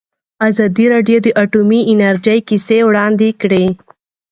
ازادي راډیو د اټومي انرژي کیسې وړاندې کړي.